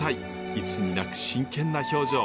いつになく真剣な表情。